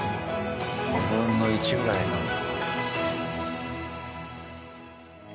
５分の１ぐらいなんだ。